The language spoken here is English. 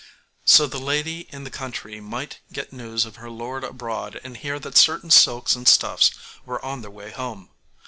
So the lady in the country might get news of her lord abroad, and hear that certain silks and stuffs were on their way home.